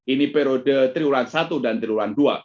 ini periode tirulan satu dan tirulan dua